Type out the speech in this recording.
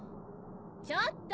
ちょっと！